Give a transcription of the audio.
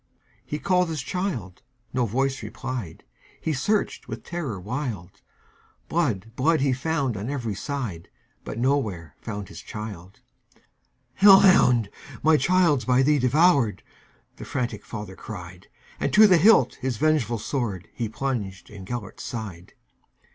He called his child,—no voice replied,—He searched with terror wild; Blood, blood, he found on every side, But nowhere found his child."Hell hound! my child 's by thee devoured,"The frantic father cried; And to the hilt his vengeful swordHe plunged in Gêlert's side.